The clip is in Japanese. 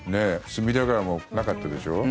隅田川もなかったでしょ。